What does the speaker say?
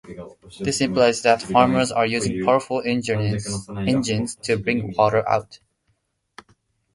This implies that farmers are using powerful engines to bring water out.